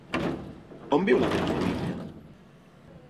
On viu la teva família?